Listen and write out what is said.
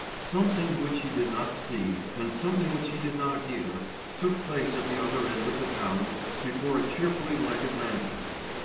Something which he did not see and something which he did not hear, took place at the other end of the town before a cheerfully lighted mansion.